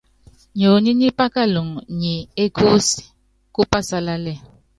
Nyonyí nyí pákaluŋo nyi ékúúsí kú pásalálɛ́.